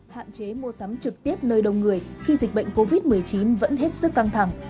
hạn chế mua sắm trực tiếp nơi đông người khi dịch bệnh covid một mươi chín vẫn hết sức căng thẳng